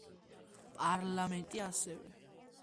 პარლამენტი ასევე შედგება მონარქის და ლორდთა პალატისაგან.